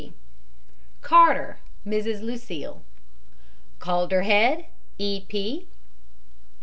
G. CARTER, MISS LUCILLE. CALDERHEAD, E. P.